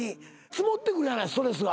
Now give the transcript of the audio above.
積もってくじゃないストレスが。